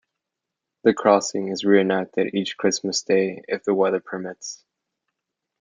The crossing is re-enacted each Christmas Day if the weather permits.